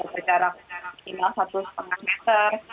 sejarah kemampuan satu lima meter